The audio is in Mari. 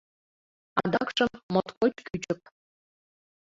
Адакшым моткоч кӱчык.